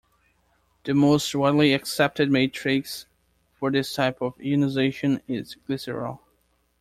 The most widely accepted matrix for this type of ionization is glycerol.